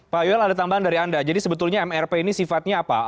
pak yuel ada tambahan dari anda jadi sebetulnya mrp ini sifatnya apa